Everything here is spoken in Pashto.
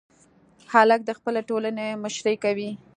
هلک د خپلې ټولنې مشري کوي.